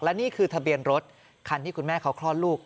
และนี่คือทะเบียนรถคันที่คุณแม่เขาคลอดลูก